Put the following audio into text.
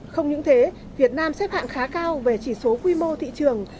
không những thế việt nam xếp hạng khá cao về chỉ số quy mô thị trường